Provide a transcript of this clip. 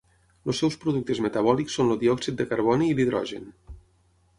Els seus productes metabòlics són el diòxid de carboni i l'hidrogen.